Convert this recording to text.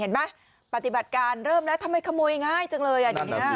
เห็นไหมปฏิบัติการเริ่มแล้วทำไมขโมยง่ายจังเลยอ่ะเดี๋ยวนี้